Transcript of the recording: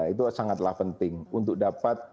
itu sangatlah penting untuk dapat